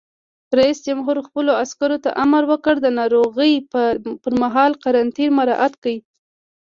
رئیس جمهور خپلو عسکرو ته امر وکړ؛ د ناروغۍ پر مهال قرنطین مراعات کړئ!